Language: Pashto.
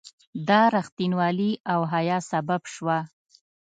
دا رښتینولي او حیا سبب شوه.